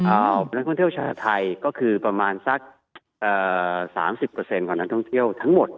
แล้วนักท่องเที่ยวชาวไทยก็คือประมาณสัก๓๐เปอร์เซ็นต์ของนักท่องเที่ยวทั้งหมด